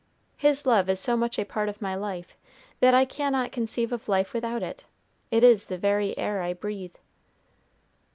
His love is so much a part of my life that I cannot conceive of life without it. It is the very air I breathe."